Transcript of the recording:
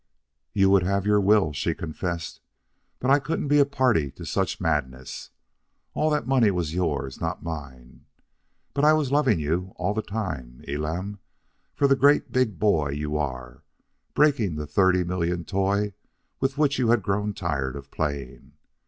"You would have your will," she confessed. "But I couldn't be a party to such madness. All that money was yours, not mine. But I was loving you all the time, Elam, for the great big boy you are, breaking the thirty million toy with which you had grown tired of playing.